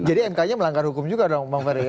jadi mknya melanggar hukum juga dong